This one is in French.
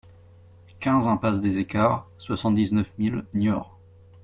quinze impasse des Equarts, soixante-dix-neuf mille Niort